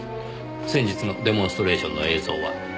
先日のデモンストレーションの映像は？